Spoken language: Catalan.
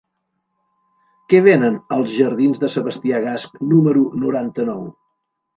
Què venen als jardins de Sebastià Gasch número noranta-nou?